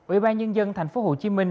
ủy ban nhân dân thành phố hồ chí minh